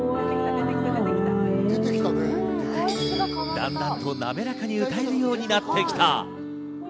だんだんと滑らかに歌えるようになってきた。